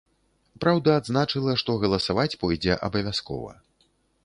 Праўда, адзначыла, што галасаваць пойдзе абавязкова.